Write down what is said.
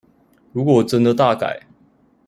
如果真的大改